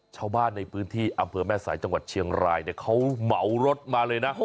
ชาวบ้านในพื้นที่อำเภอแม่สายจังหวัดเชียงรายเนี่ยเขาเหมารถมาเลยนะ